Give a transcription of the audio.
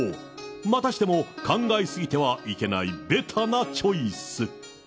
またしても考えすぎてはいけないべたなチョイス。